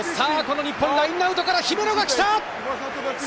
日本、ラインアウトから姫野が来た。